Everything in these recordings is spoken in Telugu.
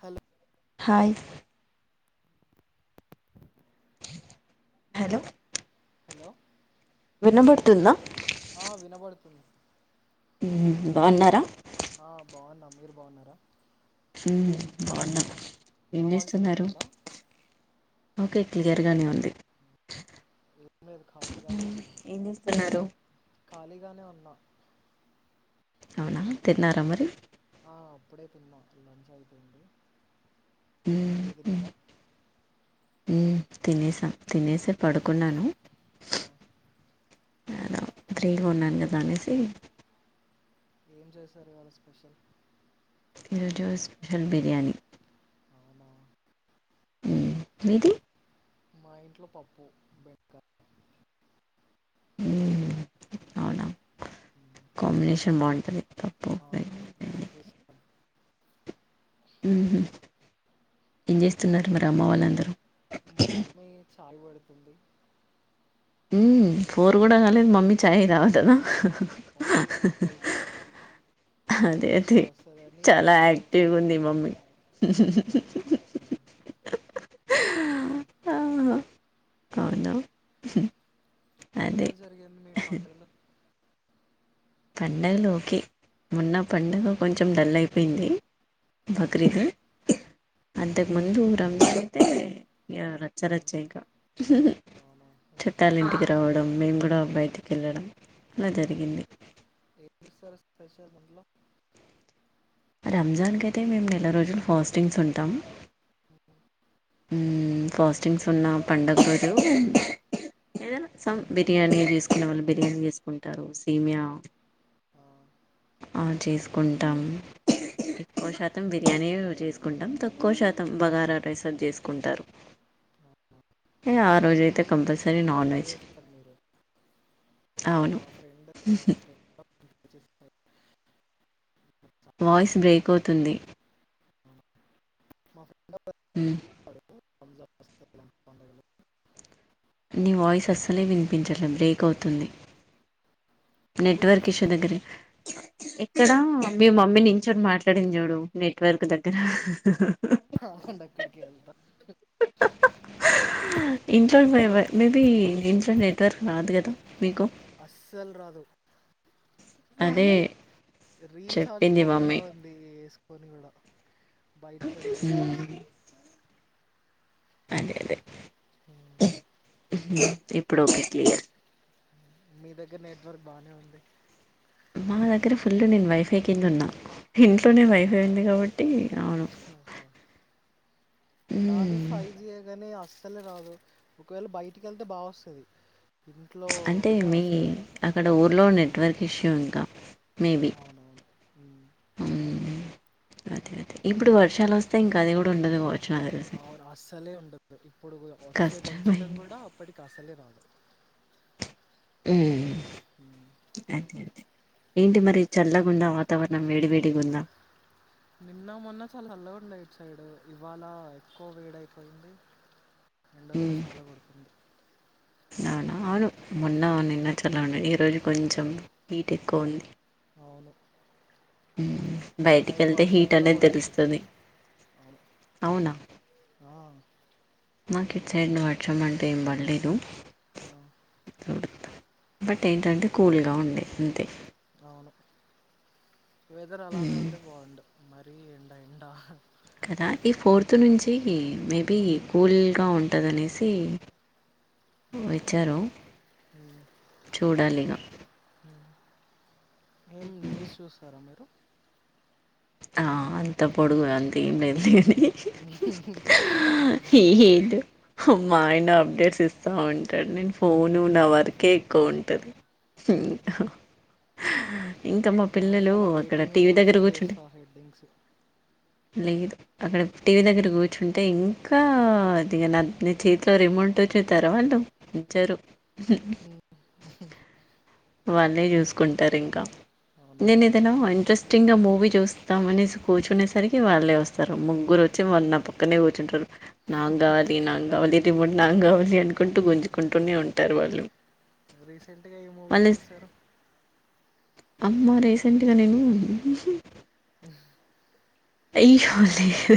హలో హాయ్ హలో హలో వినబడుతుందా ఆ వినబడుతుంది ఉహు బాన్నారా ఆ బావున్నా మీరు బావున్నారా ఉహు బావున్నా నా వాయిస్ ఇనబడుతుందా ఒకే క్లియర్ గానే ఉంది ఏం లేదు ఖాళీగానే ఉన్నా ఏం చేస్తున్నారు ఖాళీగానే ఉన్నా అవునా తిన్నారా మరి ఇప్పుడే తిన్నా లంచ్ అయిపోయింది మీరు దిన్నారా ఉ తినేసా తినేసే పడుకున్నాను ఆ అలా ఫ్రీగా ఏ ఉన్నాను కదా అనేసి ఏం చేశారు ఇవాళ స్పెషల్ ఈరోజు స్పెషల్ బిర్యానీ అవునా మ్ మీది మా ఇంట్లో పప్పు బెండ్కాయ్ అవునా మ్మ్. కాంబినేషన్ బాగుంటది పప్పు ఆ ఫ్రై నాకు ఇష్టం ఉహు ఏం చేస్తున్నారు మరి అమ్మ వాళ్ళందరూ మమ్మీ చాయ్ వేడుతుంది ఉమ్ ఫోర్ కూడా కాలేదు మమ్మీ చాయ్ తాగుతదా ఆహా మమ్మీకి ఎక్కువ ఇష్టం అదే అదే వస్తుందని చాలా చాయ్ యాక్టివ్గుంది వల్ల మమ్మీ హ్ అవునా ఎలా జరిగింది మీ పండగలు పండగలోకే మోన్న పండగ కొంచెం డల్ అయిపోయింది ఆ, బక్రీదు అంతకుముందు రంజాన్ అయితే ఇగ రచ్చ రచ్చే ఇక అవునా చట్టాలు ఇంటికి రావడం మేము కూడా బయటికి వెళ్ళడం అలా జరిగింది ఏం చేస్తారు స్పెషల్ ఇంట్లో రంజాన్కి అయితే మేము నెల రోజులు ఫాస్టింగ్స్ ఉంటాం ఉ ఫాస్టింగ్స్ ఉన్న పండగ రోజు ఏదైనా సం బిర్యానీ చేసుకునేవాళ్ళు బిర్యానీ చేసుకుంటారు సేమియా ఆ, ఆ చేసుకుంటాం ఎక్కువ శాతం బిర్యానీ ఏ చేసుకుంటాం తక్కువ శాతం బగారా రైస్ తన్ చేసుకుంటారు ఆ, ఏ ఆ రోజు అయితే సేమియా కంపల్సరీ సేమియా నాన్ బాగా వెజ్ చేస్తారు మీరు మా అవును ఫ్రెండ్ మా ఫ్రెండ్ చేస్తారు చాలా వాయిస్ బ్రేక్ అవుతుంది ఇష్టం. మా ఫ్రెండ్ ఓ ఉమ్ ఇలాంటి పండుగలు నీ వాయిస్ అస్సలే వినిపించలే బ్రేక్ అవుతుంది నెట్వర్క్ ఇశో దగ్గరే ఎక్కడ మీ మమ్మీ నించోనీ మాట్లాడింది చూడు నెట్వర్క్ దగ్గర ఆగండి అక్కడికే ఏళ్తా ఇంకా ఇప్పుడు ఫైబర్ మీది ఇంట్లో నెట్వర్క్ రాదు కదా మీకు అస్సల్ రాదు అదే రీచార్జ్ చెప్పింది బొక్కలా మమ్మీ ఉంది వేసుకోని కూడా బయటికి వెళ్తేనే ఉమ్, వస్తది అదే అదే ఇప్పుడు ఒకే క్లియర్ మీ దగ్గర నెట్వర్క్ బానే ఉంది మా దగ్గర ఫుల్లు నేను వైఫై కిందున్నా ఇంట్లోనే అవునా వైఫై ఉంది కాబట్టి అవును నాదీ మ్మ్ ఫైజీ యే గనీ అస్ సలే రాదు ఒకవేళ బయటికెళ్తె బా ఒస్తది అంటే మీ అక్కడ ఊర్లో ఉమ్, నెట్వర్క్ ఇష్యూ ఇంకా మేబీ అవునవును మ్మ్ అదే అదే ఇప్పుడు వర్షాలొస్తె ఇంకది గూడుండదు గావచ్చు నా దెల్సి అవును అస్సలే ఉండదు ఇప్పుడు గుడ వచ్చే కొంచెంగుడా అప్పటికస్సలే రాదు ఊ ఉమ్, [inaudible] ఏంటి మరి చల్లగుందా వాతావరణం వేడివేడిగుందా నిన్నా మొన్న చాలచల్లగుండే ఇట్ సైడు ఇవాళా ఎక్కువ వేడైపోయింది ఎండ గూడా చాలా గొడుతుంది అవున అవును మొన్న నిన్న చాల్లగున్నది ఈ రోజు కొంచం హీట్ ఎక్కువుంది అవును మొన్న నైట్ బయటికెళ్తే వర్షం కూడా హీటనేది పడింది దెలుస్తది అవును ఆ మాకిట్ సైడ్ను వర్షంమంటు ఏంబడలేదు ఆ బట్ ఏంటంటే కూల్గా ఉంది అంతే అవును వెదర్ అలానే ఉమ్ ఉంటే బావుండు మరీ ఎండ ఎండ అహ్ కదా ఈ ఫోర్త్ నుంచీ మేబీ కూల్గా ఉంటదనేసీ అవును వచ్చారూ ఉమ్. చూడాలిగ ఏం న్యూస్ చూస్తారా మీరు ఆ అంత పొడుగు అంత ఏం లేదు హే హేద్ హ మా ఆయన అప్డేట్స్ ఇస్తా ఉంటాడు నేన్ ఫోనూ ఓకే నా వర్కే ఎక్కువు ఉమ్. హుంట ఇంక మా నాది పిల్లలూ అలా అక్కడ వెయిటింగ్ టీవీ న్యూస్ దగ్గర వస్తే కూర్చుంటె చూస్తా హెడ్డింగ్స్ లేదు అక్కడ టీవీ దగ్గర కూర్చుంటే ఇంకాదిగ నా నా చేతిలో రి మోటుచుతారా వాళ్ళు వుంచరు ఉ ఉహ్హు వాళ్ళే జూసుకుంటరింక అవునా నేనేదైనా ఇంట్రెస్టింగా మూ వీ చూస్తామనేసి కూర్చునేసరికి వాళ్ళే వస్తారు ముగ్గురొచ్చి వాళ్ళు నా పక్కన్నే కూర్చుంటరు నాగ్గావాలి నాగ్గావాలి రిమోట్ నాగ్గావాలి అనుకుంటు ఆ, గుంజుకుంటూనే ఉంటారు వాళ్ళు రీసెంట్గా ఏ మూవీస్ వాళ్ళు జూసార అమ్మ రీసెంట్గా నేనూ అయ్యో లేదు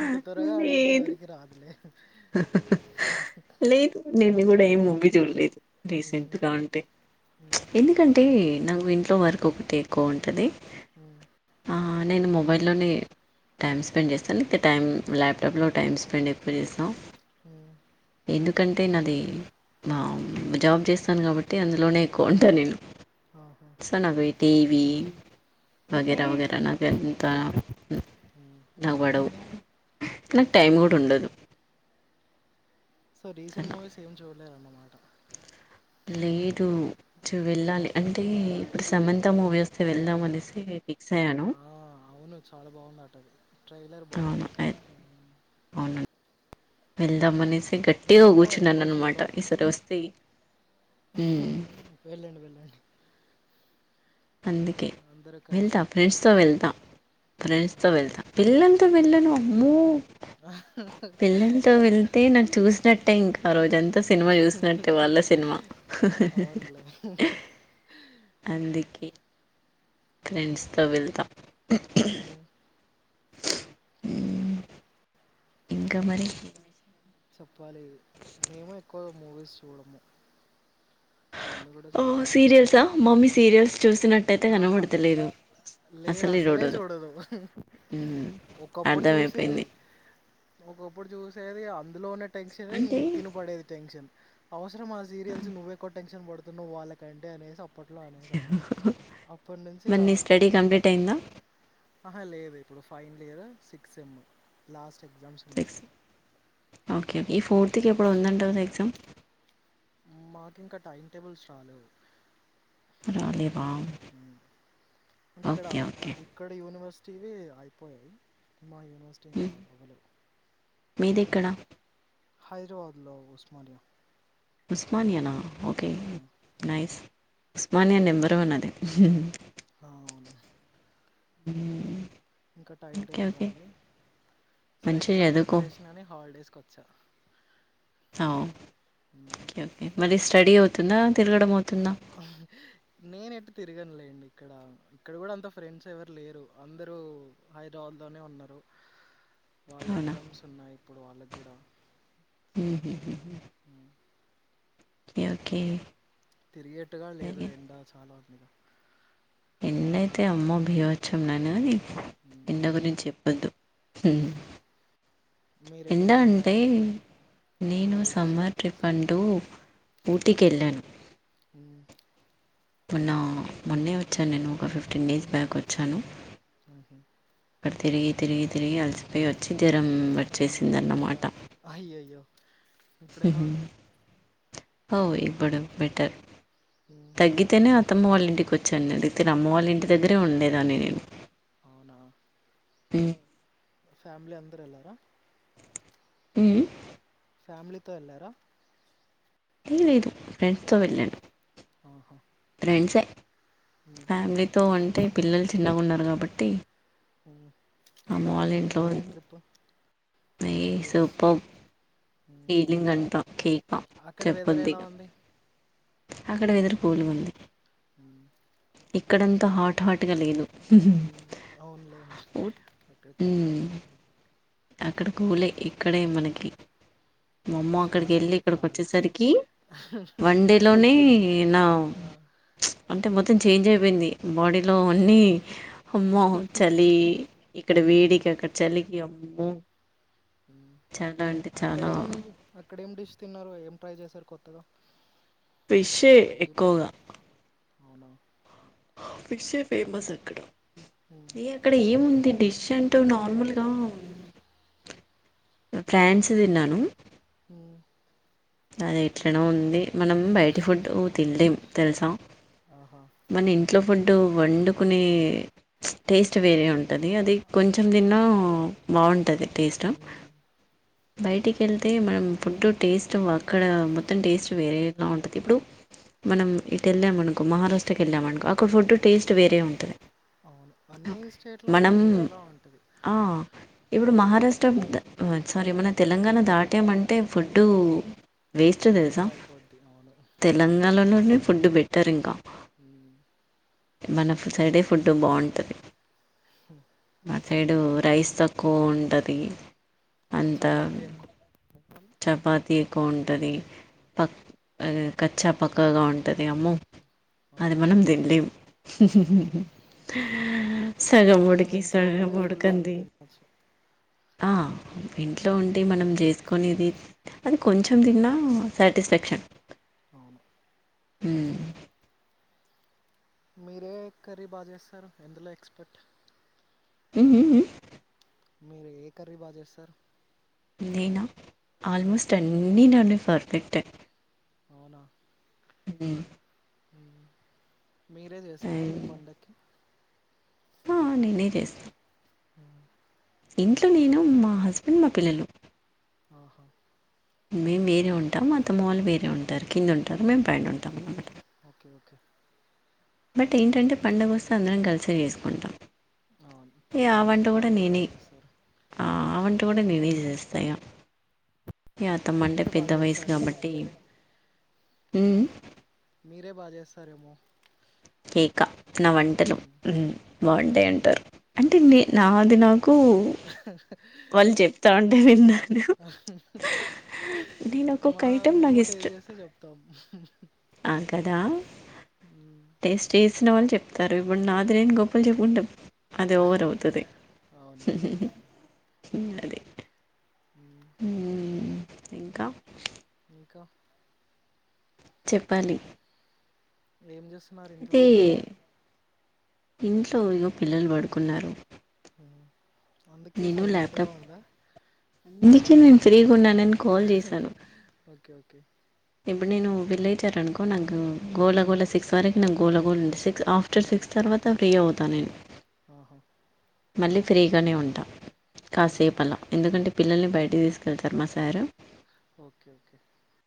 ఇంత త్వరగా అడిగితే లేదు ఎవరికి రాదులే లేదు నేను గూడా ఏం మూవీ జూడ్లేదు ఉమ్, రీసెంట్గా అంటె ఉమ్, ఎందుకంటే నాకు ఇంట్లో వర్క్ ఒకటి ఎక్కువుంటది అవున ఆ నేను మొబైల్లోనే టైం స్పెండ్ జేస్తాను టైం ల్యాప్టాప్లో టైం స్పెండ్ ఎక్కువ జేస్తాం హ ఎందుకంటే నేను అది జాబ్ చేస్తాను కాబట్టి అందులోనే ఎక్కువ ఉంటా నేను ఆహా, సొ నాయి టివి ఉమ్, వగైరా వగ నా కంద ఉమ్, [unintelligible] నవ్వడం నాకు ఓకే టైం కూడా ఉండదు సో రీసెంట్ అలా గానే సేమ్ చూసాను లేదు వెళ్ళాలి అంటే ఇప్పుడు సమంత మూవీ వస్తే వెళ్దాం అనేసి ఫిక్స్ అయ్యాను ఆ అవును చాలా బావుంటది అంట కదట్రైలర్ అవును బావుంది వెళ్దామనేసి గట్టిగా మేము కూర్చున్నాను ఎక్కువ అన్నమాట చూడం ఈసారి వస్తేయి వెళ్ళండి వెళ్ళండి అందుకే అందరూ కలిసి వెళ్తా ఫ్రెండ్స్ తో వెళ్తాం ఫ్రెండ్స్ తో ఆహా వెళ్తా పిల్లలతో ఉమ్, వెళ్ళను అమ్మో పిల్లలతో వెళ్తే నాకు చూసినట్టే ఇంక రోజంతా సినిమా చూసినట్టే వాళ్ళ సినిమా అవునులే అందుకే ఫ్రెండ్స్ తో వెళ్తా హ ఇంకా మరి చెప్పాలి మేము ఎక్కువ మూవీస్ చూడము మమ్మీ కూడా ఓ చూడదు సీరియల్సా మమ్మీ సీరియల్స్ చూసినట్టయితే ఆహా కనబడతలేదు లేదు అసలే చూడదు ఉమ్ ఒకప్పుడు చూసేది అర్థమైపోయింది ఒకప్పుడు చూసేది అందులో ఉన్న టెన్షనే అంటే తిని పడేది టెన్షనే అవస మా సీరియల్స్ నువ్వు ఎక్కువ టెన్షన్ పడుతున్నావు వాళ్ళకంటే అనేసి అప్పట్లో అనేసె వాళ్ళం మరి నీ స్టడీ కంప్లీట్ అయిందా ఆహా లేదు ఇప్పుడు final year six M last exams ఉన్నాయి సిక్స్ ఓకే ఈ ఉమ్. ఫోర్త్కి ఎప్పుడో ఉంది అంట కదా ఎక్సమ్ మాకు ఇంకా టైమ్ టేబుల్స్ రాలే రాలేవ ఓకే ఓకే టీవీ అయిపోయాయి మా యూనివర్సిటీ ఇంకా అవ్వలే మీదెక్కడ హైదరాబాద్ లో ఉస్మానియా ఉస్మానియానా ఓకే ఆ, నైస్ ఉస్మానియా నెంబరు వన్ అది అవును హ ఇంకా టైమ్ టేబుల్ రాలె సో మంచిగా ఎగ్జామ్ చదువుకో ప్రిపరేషన్ అని హాలిడేస్కి వ వచ్చా అవును మ్మ్. ఓకే ఓకే మళ్ళీ స్టడీ అవుతుందా తిరగడం అవుతు నేను ఎటు తిరగనులేండి ఇక్కడ ఇక్కడ కూడా అంత ఫ్రెండ్స్ ఎవరు లేరు అందరు హైదరాబాద్ లోనే ఉన్నారు వాళ్ళ అవునా ఎగ్జామ్స్ ఉన్నాయి ఇప్పుడు వాళ్ళకి కూడా సో హుహు. ఓకే ఓకే తిరిగేట్టుగా లేదు ఎండ చాలా ఉంది ఎండైతే అమ్మో బిబత్సంగానే ఉంది నిన్న గురించి చెప్పద్దు ఎండా మీరేటైనా అంటే వెళ్ళారా నేను హాలిడేస్కి సమ్మర్ ట్రిప్ అంటూ సమ్మర్ ఊటీ కి వెళ్ళాను మొన్న మొన్నే వచ్చాను నేను ఒక ఫిఫ్టీన్ డేస్ బ్యాక్ వచ్చాను అక అక్కడ తిరిగి తిరిగి తిరిగి అలసిపోయి వచ్చి జ్వరం వచ్చే ఫ్యామిలీ సిందన్నమాట ఇప్పుడుఎలా ఉంది హో ఇప్పుడూ బెటర్ మ్మ్. తగ్గితేనే అత్తమ్మ వాళ్ళ ఇంటికి వచ్చాను [unintelligible] అమ్మ వాళ్ళ ఇంటి దగ్గరే ఉండేదని నేను అవునా ఉ ఫ్యామిలీ అందరు ఏళ్ళార హు ఫ్యామిలీతో వెళ్ళారా అట్లెం లేదు ఫ్రెండ్స్ తో వెళ్ళాను ఆహా ఫెండ్ మ్మ్. ఫ్యామిలీతో అంటే పిల్లలు చిన్నగా ఉన్నారు కాబట్టి అమ్మ ఎలా వాళ్ళ ఉంది మీ ఇంట్లో ఊటీ ట్రిప్ ఏ ఎక్స్పీరియన్స్ సూపర్బ్ మ్మ్. ఫీలింగ్ అంత కేక అక్కడ వెదర్ చేపద్దు ఎలా ఇగ ఉంది అక్కడ వెదురు కూల్ గుంది హ ఇక్కడంత హాట్ హాట్గా లేదు అవునులేండి ఊ అక్కడ ఉమ్ కూల్గానే ఉంటుంది అక్కడ కూలే ఇక్కడే మ్మ్. మనకి వామ్మో అక్కడికి చాలా వెళ్ళి అంటే ఇక్కడికి చాలా వచ్చేసరికి వన్డే లోనే నా ఆ, అంటే మొ త్తం చేంజ్ అయిపోయింది బాడీలో అన్ని అమ్మో చలి ఇక్కడ మ్మ్. వేడికి అక్కడ చలికి అమ్మో చాలా అంటే చాలా అక్కడేం అక్కడేం డిష్ తిన్నారు ఏం ట్రై చేశారు కొత్తగ పిష్ ఎ ఎక్కువగా అవునా ఫిష్ ఎ ఫేమస్ అక్కడ హ్మ్. ఏ అక్కడ ఏముంది డిష్ అంటూ నార్మల్గ ఫ్రాన్స్ తిన్నాను హ్మ్. అది ఎట్లనో ఉంది మనం బయటి ఫుడ్ తినలేం తెలుసా ఆహా! మన ఇంట్లో ఫుడ్డు వండుకునే టేస్ట్ వేరే ఉంటది అది అవును. కొంచెం తిన్న అవును. బాగుంటది టేస్ట్ అ బయటికి వెళ్తే మనం ఫుడ్ టేస్ట్ అక్కడ మొత్తం టేస్ట్ వేరేల ఉంటుంది ఇప్పుడు మనం ఇటు వెళ్ళామనుకో మహారాష్ట్రకి వెళ్ళామనుకో ఒక ఫుడ్ టేస్ట్ వేరే ఉంటది అవును అన్ని స్టేట్ లో మనం వేర్ వేర్ల ఉం ఆ ఇప్పుడు మహారాష్ట్ర సారీ మన తెలంగాణ దాటామంటే ఫుడ్డు వేస్ట్ తెలుస డిఫరెంట్ అయిపోద్ది. అవును. తెలంగాణ లోనే ఫుడ్ బెటర్ ఇంకా హు మన సైడే ఫుడ్ బాగుంటుంది హ ఆ సైడ్ రైస్ తక్కువ ఉంటుంది అవును. అంత చపాతీ ఎక్కువ. చపాతి ఎక్కువ ఉంటుంది హ్మ్. పక్ అది కచ్చా పక్కగా ఉంటుంది అమ్మో అది మనం అవునవును. తినలేం సగం మనం ఉడికి ఇంట్లో సగం ఉంటే ఫుల్‌ఫిల్‌గా ఉడకనిది తినొచ్చు. ఆ ఇంట్లో ఉంటే హ్మ్. మనం చేసుకొనిది అది కొంచెం తిన్నా సాటిస్ఫాక్షన్ అవును ఉమ్ మీరే కర్రీ బాగా చేస్తారు ఎందులో ఎక్స్పర్ట్ మ్మ్ మ్మ్ మీరు ఏ కర్రీ బాగా చేస్తారు నేనా ఆల్మోస్ట్ అన్ని నన్న పర్ఫెక్ట అవునా ఉ మీరే చేసారా మీ పండగకి ఆ నేనే చేస్తా హ్మ్. ఇంట్లో నేను మా హస్బెండ్ మా పిల్లలు ఆహా మేము వేరే ఉంటాం మా అతమ్మ వాళ్ళు వేరే ఉంటారు కింద ఉంటారు మేము ఓహో! పైనా ఉంటాం ఓకే. ఓకే. బట్ ఏంటంటే పండుగ వస్తే అందరం కలిసే చేసుకుంటాం అవును ఇక ఆ పండుగ వంట రోజెగా కూడా అందరు నేనే కలుస్తారు ఆ ఆ వంట కూడా హ్మ్. నేనే చేస్తా ఇగ ఈ అతమ్మ అంటే బాగా పెద్ద వయసు చేస్తారేమో కాబట్టి ఇంకే ము మీరే బాగా చేస్తారేమో కేక నా వంటలు మ్మ్. మ్ బాగుంటాయి అంటారు అంటే నే మ్మ్. నాది నాకు వాళ్ళు చెప్తంటే విన్న నేను ఒక్కొక్క మా ఐటెం నాకు మేము టేస్ ఇష్టం చేస్తే చెప్తాం ఆ కదా మ్మ్. టేస్టీస్ సిన వాళ్ళు చెప్తారు ఇప్పుడు నాది నేను గోప్పల్ చెప్పుకుంటా అది ఓవర్ అవుతది అవునవును అది మ్మ్. మ్మ్ ఇంకా ఇంక చెప్పాలి ఏం చేస్తున్నారు ఇంట్లో అయితే అందరు ఇంట్లో ఇగో పిల్లలు పడుకున్నారు అందుకే నేను సైలెంటుగా ల్యాప్టాప్ ఉందా అందుకే నేను ఫ్రీగా ఉన్నానని కాల్ చేశాను ఓకే ఓకే ఇప్పుడు నేను విల్లేచారునుకో నాకు గోలగోళ సిక్స్ వరకు నాకు గోలగోళ ఉన్ ఆఫ్టర్ సిక్స్ తర్వాత ఫ్రీ అవుతా నేను ఆహ మళ్ళీ ఫ్రీగనే ఉంటా మ్మ్. కాసేపు అలా ఎందుకంటే పిల్లల్ని బయటకి తీసుకెళ్తారు మా సారు ఓకే ఒకే